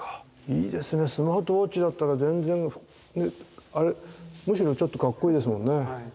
スマートウォッチだったら全然むしろちょっとかっこいいですもんね。